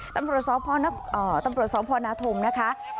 ตำรวจสพนาธมนะคะ